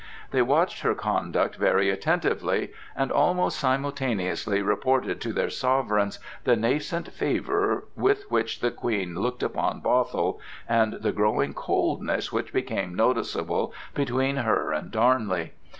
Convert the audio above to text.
They watched her conduct very attentively, and almost simultaneously reported to their sovereigns the nascent favor with which the Queen looked upon Bothwell, and the growing coldness which became noticeable between her and Darnley.